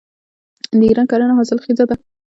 د ایران کرنه حاصلخیزه ده.